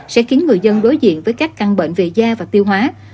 sẽ khiến người dân đối diện với các căn bệnh về da và tiêu hóa